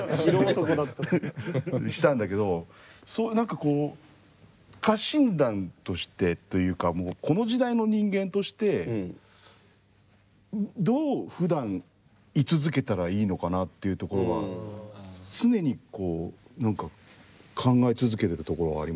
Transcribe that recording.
したんだけど何かこう家臣団としてというかこの時代の人間としてどうふだん居続けたらいいのかなというところは常にこう何か考え続けてるところがありますね。